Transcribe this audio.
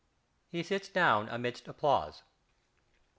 (_He sits down amidst applause.